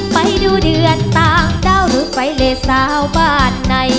ไปดูเดือนต่างด้าวหรือไปเลสาวบ้านไหน